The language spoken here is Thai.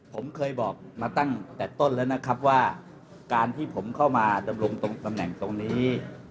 ผมเคยบอกมาตั้งแต่ต้นแล้วนะครับว่าการที่ผมเข้ามาดำรงตรงตำแหน่งตรงนี้